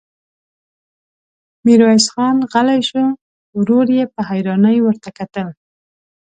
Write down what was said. ميرويس خان غلی شو، ورور يې په حيرانۍ ورته کتل.